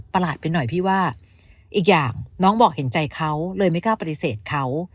หลาดไปหน่อยพี่ว่าอีกอย่างน้องบอกเห็นใจเขาเลยไม่กล้าปฏิเสธเขา